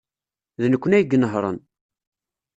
D nekkni ay inehhṛen.